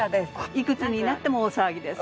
いくつになっても大騒ぎです。